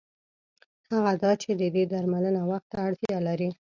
هغه دا چې د دې درملنه وخت ته اړتیا لري.